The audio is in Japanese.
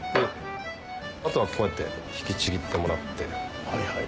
あとはこうやって引きちぎってもらって。